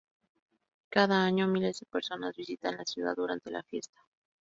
Cada año, miles de personas visitan la ciudad durante la fiesta.